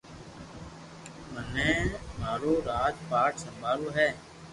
ھي مني مارو راج پاٺ سمڀالووُ ھي